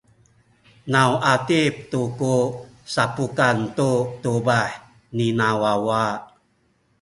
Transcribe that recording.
na u atip tu ku sapukan tu tubah nina wawa.